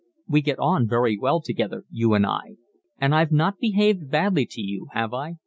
We get on very well together, you and I, and I've not behaved badly to you, have I?